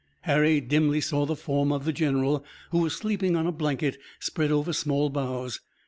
Harry dimly saw the form of the general who was sleeping on a blanket, spread over small boughs.